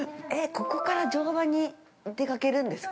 ◆ここから乗馬に出かけるんですか。